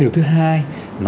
điều thứ hai